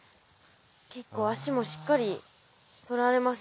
結構足もしっかりとられますね。